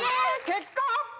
結果発表！